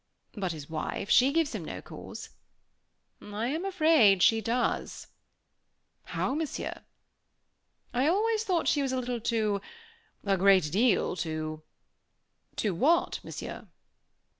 "But his wife she gives him no cause." "I am afraid she does." "How, Monsieur?" "I always thought she was a little too a great deal too " "Too what, Monsieur?"